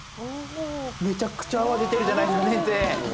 めちゃくちゃ泡出てるじゃないですか先生。